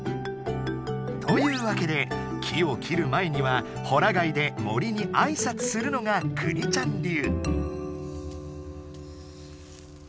というわけで木を切る前にはほら貝で森にあいさつするのがくにちゃん流。